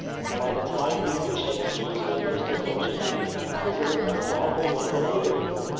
By the time we reached him he was almost as much amazed and puzzled as Bob or Uncle Abram.